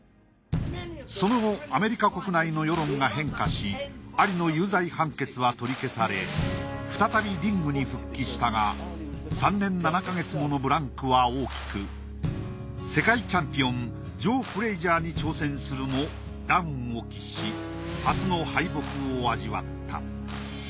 その後アメリカ国内の世論が変化しアリの有罪判決は取り消され再びリングに復帰したが３年７ヶ月ものブランクは大きく世界チャンピオンジョー・フレイジャーに挑戦するもダウンを喫し初の敗北を味わった。